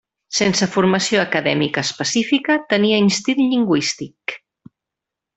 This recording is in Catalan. Sense formació acadèmica específica, tenia instint lingüístic.